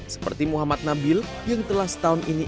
seperti muhammad nabil yang telah setahun ini